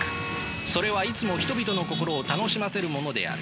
それはいつも人々の心を楽しませるものである。